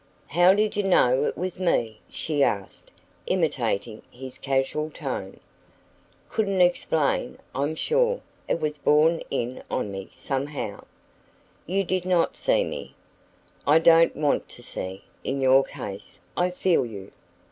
"How did you know it was me?" she asked, imitating his casual tone. "Couldn't explain, I'm sure. It was borne in on me, somehow." "You did not see me." "I don't want to see, in your case. I feel you."